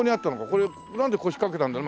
これなんで腰掛けたんだろう？